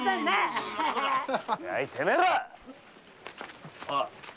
やいてめえらっ！